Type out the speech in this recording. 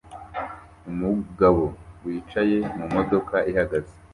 umugabo wicaye mu modoka ihagaze